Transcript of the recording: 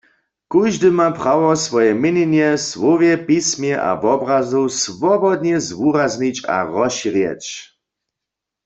Kóždy ma prawo, swoje měnjenje w słowje, pismje a wobrazu swobodnje zwuraznić a rozšěrjeć.